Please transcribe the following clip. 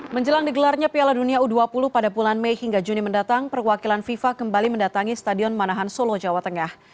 menjelang digelarnya piala dunia u dua puluh pada bulan mei hingga juni mendatang perwakilan fifa kembali mendatangi stadion manahan solo jawa tengah